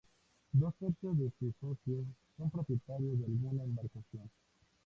Dos tercios de sus socios son propietarios de alguna embarcación.